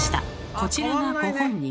こちらがご本人。